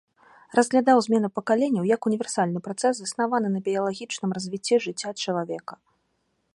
Разглядаў змену пакаленняў як універсальны працэс, заснаваны на біялагічным развіцці жыцця чалавека.